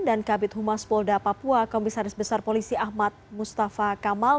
dan kabit humas polda papua komisaris besar polisi ahmad mustafa kamal